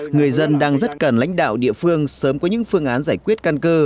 người dân đang rất cần lãnh đạo địa phương sớm có những phương án giải quyết căn cơ